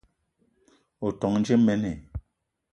O ton dje mene?